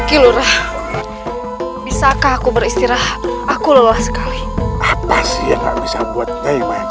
gilurah bisakah aku beristirahat aku lelah sekali apa sih yang nggak bisa buatnya yang